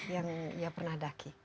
yang pernah daki